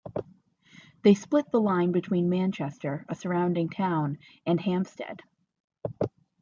They split the line between Manchester, a surrounding town, and Hampstead.